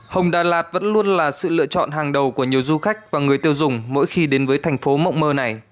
hồng đà lạt vẫn luôn là sự lựa chọn hàng đầu của nhiều du khách và người tiêu dùng mỗi khi đến với thành phố mộng mơ này